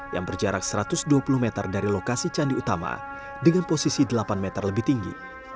yang berjarak satu ratus dua puluh meter dari lokasi candi utama dengan posisi delapan meter lebih tinggi